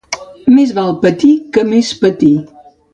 Més val patir que més patir.